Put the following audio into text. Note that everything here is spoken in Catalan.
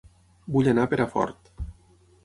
Vull anar a Perafort